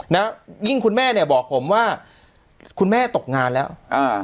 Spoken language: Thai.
นะยิ่งคุณแม่เนี่ยบอกผมว่าคุณแม่ตกงานแล้วอ่า